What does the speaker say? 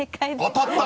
当たった！